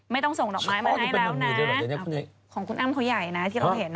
ไม่ต้องส่งดอกไม้มาให้แล้วนะของคุณอ้ำเขาใหญ่นะที่เราเห็น